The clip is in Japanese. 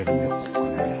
ここね。